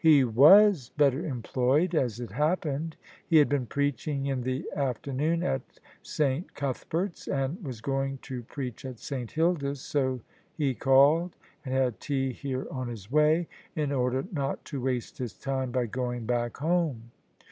" He was better employed, as it happened : he had been preaching in the after noon at S. Cuthbert's and was going to preach at S. Hilda's, 80 he called and had tea here on his way, in order not to waste his time by going back home."